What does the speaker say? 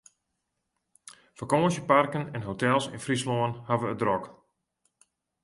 Fakânsjeparken en hotels yn Fryslân hawwe it drok.